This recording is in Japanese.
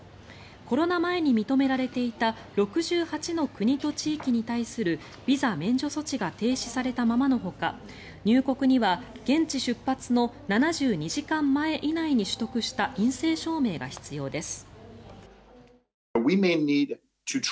コロナ前に認められていた６８の国と地域に対するビザ免除措置が停止されたままのほか入国には現地出発の７２時間前以内に取得した陰性証明が必要です。